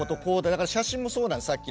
だから写真もそうなんですさっきの。